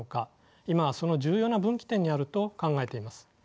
今はその重要な分岐点にあると考えています。